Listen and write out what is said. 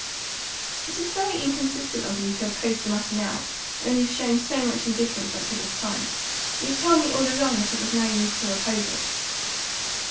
"But it's very inconsistent of you to oppose the matter now, when you've shown so much indifference up to this time. You've told me, all along, that it was of no use to oppose it."